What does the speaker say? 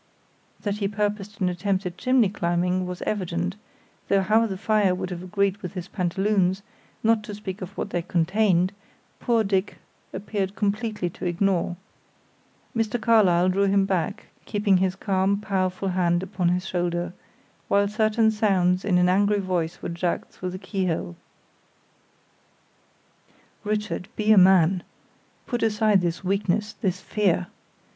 That he purposed an attempt at chimney climbing was evident, though how the fire would have agreed with his pantaloons, not to speak of what they contained, poor Dick appeared completely to ignore. Mr. Carlyle drew him back, keeping his calm, powerful hand upon his shoulder, while certain sounds in an angry voice were jerked through the keyhole. "Richard, be a man, put aside this weakness, this fear.